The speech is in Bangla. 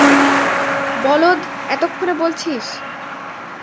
বলদ, এতক্ষণে বলছিস?